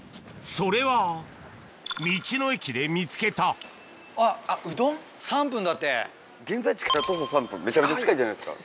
それは道の駅で見つけた現在地から徒歩３分めちゃめちゃ近いじゃないですか。